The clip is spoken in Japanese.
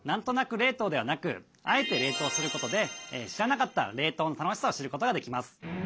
冷凍ではなく「あえて」冷凍することで知らなかった冷凍の楽しさを知ることができます。